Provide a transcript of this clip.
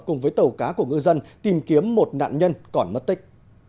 cùng với tàu cá của ngư dân tìm kiếm một nạn nhân còn mất tích